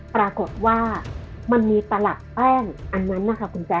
ปรากฏว่ามันมีตลับแป้งอันนั้นนะคะคุณแจ๊